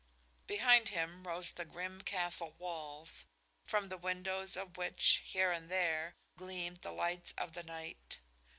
Behind him rose the grim castle walls, from the windows of which, here and there, gleamed the lights of the night.